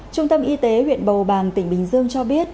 trung tâm y tế huyện bầu bàn tỉnh bình dương cho biết